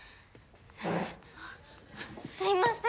あっすいません！